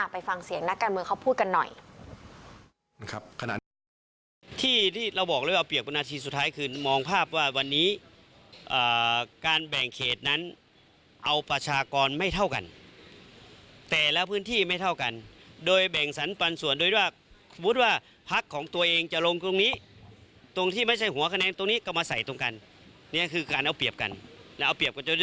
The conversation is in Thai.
ไปฟังเสียงนักการเมืองเขาพูดกันหน่อย